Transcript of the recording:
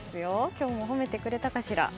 今日も褒めてくれたかしら。